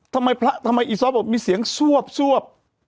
ทำไมอีซ้อบบอกมีเสียงสวบ